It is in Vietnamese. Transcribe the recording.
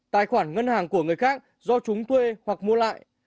tài khoản ngân hàng của người khác do chúng thuê hoặc mua lại